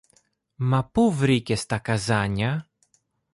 Μα πού βρήκες τα καζάνια;